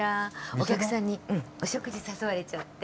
お客さんにお食事誘われちゃって。